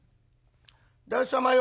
旦様よ」。